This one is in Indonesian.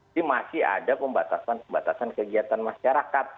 ini masih ada pembatasan pembatasan kegiatan masyarakat